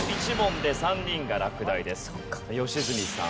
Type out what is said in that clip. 良純さん